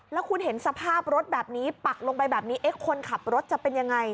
แล้วคุณเห็นสภาพรถแบบนี้ปักลงไปแบบนี้คนขับรถจะเป็นยังไง